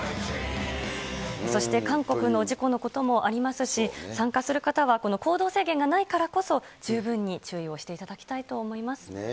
そして韓国の事故のこともありますし、参加する方は、行動制限がないからこそ、十分に注意をしていただきたいと思います。